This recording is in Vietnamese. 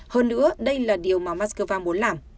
hơn nữa đây là điều mà moscow muốn làm